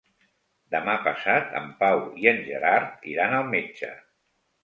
Demà passat en Pau i en Gerard iran al metge.